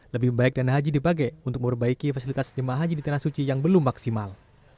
lebih baik dana haji dipakai untuk memperbaiki fasilitas jemaah haji di tanah suci yang belum maksimal